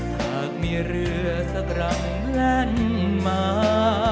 หากมีเรือสักรังแล่นมา